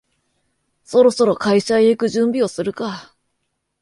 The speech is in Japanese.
そろそろ会社へ行く準備をするか